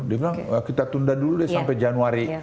dia bilang kita tunda dulu deh sampai januari